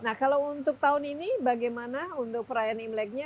nah kalau untuk tahun ini bagaimana untuk perayaan imleknya